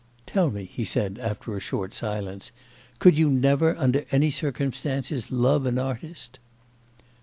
Tell me,' he said after a short silence, 'could you never under any circumstances love an artist?